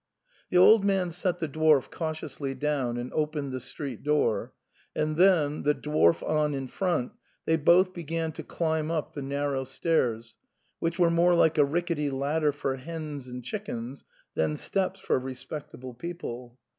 The old man set the dwarf cautiously down and opened the street door ; and then, the dwarf on in front, they both began to climb up the narrow stairs, which were more like a rickety ladder for hens and chickens than steps for respectable people.